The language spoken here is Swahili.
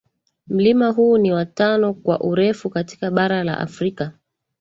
Mlima huu ni wa tano kwa urefu katika bara la Afrika